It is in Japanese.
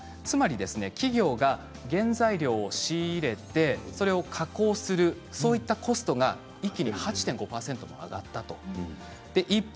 つまり企業が原材料を仕入れてそれを加工する、そういったコストが、一気に８．５％上がったということです。